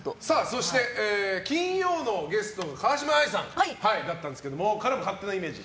そして金曜のゲストが川嶋あいさんだったんですが勝手なイメージ。